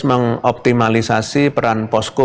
mengoptimalisasi peran posko